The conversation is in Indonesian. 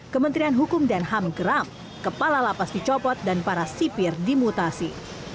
kementerian hukum dan ham geram kepala lapas dicopot dan para sipir dimutasi